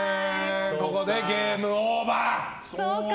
ここでゲームオーバー！